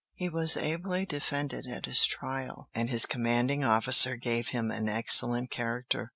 He was ably defended at his trial, and his commanding officer gave him an excellent character.